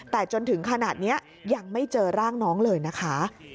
แต่จนถึงขนาดนี้ยังไม่เจอร่างน้องเลยนะคะ